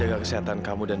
aku sudah mencintai kamila